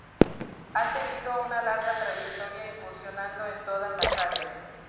Ha tenido una larga trayectoria incursionando en todas las áreas.